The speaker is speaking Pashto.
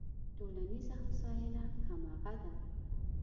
ټولنیزه هوساینه همغه ده.